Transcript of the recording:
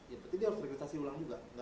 ya berarti dia harus rehabilitasi ulang juga